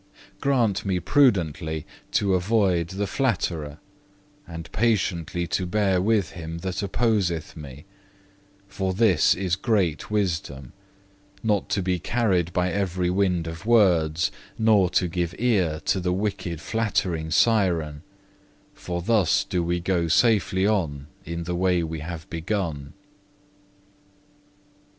Grant me prudently to avoid the flatterer, and patiently to bear with him that opposeth me; for this is great wisdom, not to be carried by every wind of words, nor to give ear to the wicked flattering Siren; for thus do we go safely on in the way we have begun.